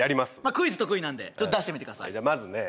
クイズ得意なんで出してみてくださいじゃあまずね